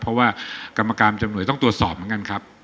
เพราะว่ากรรมการจำหน่ายต้องตรวจสอบเหมือนกันครับ